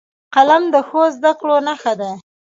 قلم د ښو زدهکړو نښه ده